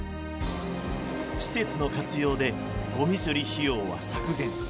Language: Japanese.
施設の活用でごみ処理費用は削減。